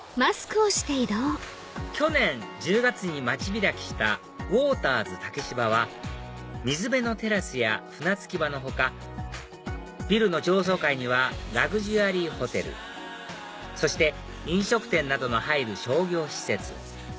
去年１０月に街開きしたウォーターズ竹芝は水辺のテラスや船着き場の他ビルの上層階にはラグジュアリーホテルそして飲食店などの入る商業施設